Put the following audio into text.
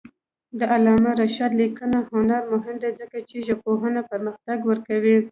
د علامه رشاد لیکنی هنر مهم دی ځکه چې ژبپوهنه پرمختګ ورکوي.